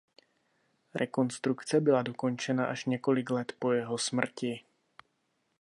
Rekonstrukce byla dokončena až několik let po jeho smrti.